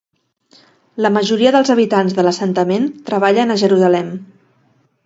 La majoria dels habitants de l'assentament treballen a Jerusalem.